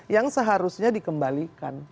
yang seharusnya dikembalikan